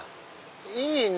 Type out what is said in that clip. いいね。